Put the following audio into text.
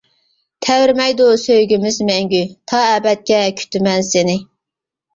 تەۋرىمەيدۇ سۆيگۈمىز مەڭگۈ، تا ئەبەدكە كۈتىمەن سېنى.